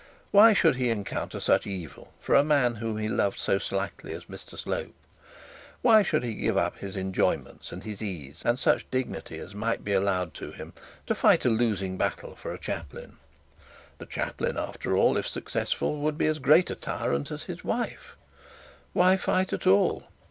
Why should he encounter such evil for a man whom he loved so slightly as Mr Slope? Why should he give up his enjoyments and his ease, and such dignity as might be allowed to him, to fight a losing battle for a chaplain? The chaplain after all, if successful, would be as great a tyrant as his wife. Why fight at all?